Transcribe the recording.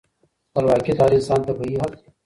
خپلواکي د هر انسان طبیعي حق دی.